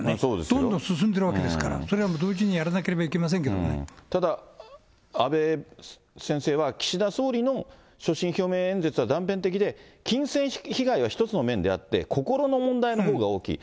どんどん進んでるわけですから、それは同時にやらなければいけまただ、阿部先生は、岸田総理の所信表明演説は断片的で、金銭被害は一つの面であって、心の問題のほうが大きい。